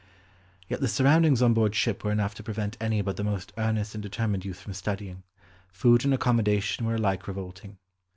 Yet the surroundings on board ship were enough to prevent any but the most earnest and determined youth from studying; food and accommodation were alike revolting.